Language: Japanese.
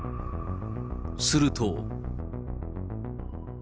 すると。